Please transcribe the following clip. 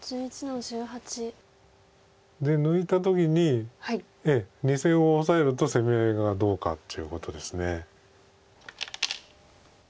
で抜いた時に２線をオサえると攻め合いがどうかっていうことです。